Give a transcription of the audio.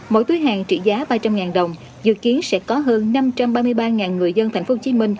mỗi túi hàng trị giá ba trăm linh đồng dự kiến sẽ có hơn năm trăm ba mươi ba người dân tp hcm